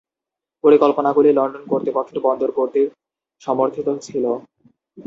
পরিকল্পনাগুলি লন্ডন কর্তৃপক্ষের বন্দর কর্তৃক সমর্থিত ছিল।